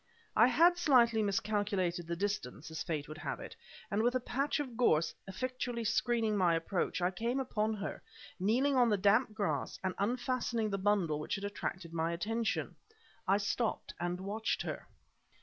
I had slightly miscalculated the distance, as Fate would have it, and with a patch of gorse effectually screening my approach, I came upon her, kneeling on the damp grass and unfastening the bundle which had attracted my attention. I stopped and watched her.